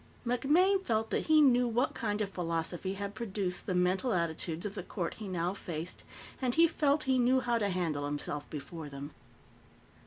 MacMaine felt that he knew what kind of philosophy had produced the mental attitudes of the Court he now faced, and he felt he knew how to handle himself before them.